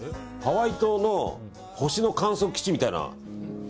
ハワイ島の星の観測基地みたいな。